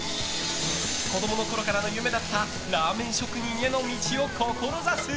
子供のころからの夢だったラーメン職人への道を志す。